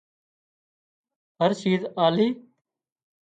هر شيز آلي